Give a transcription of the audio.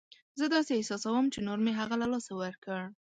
زه داسې احساسوم چې نور مې هغه له لاسه ورکړ.